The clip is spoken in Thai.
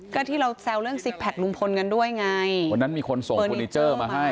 ก็ที่เราแซวเรื่องซิกแพคลุงพลกันด้วยไงวันนั้นมีคนส่งเฟอร์นิเจอร์มาให้